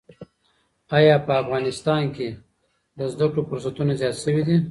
ایا په افغانستان کې د زده کړو فرصتونه زیات شوي دي؟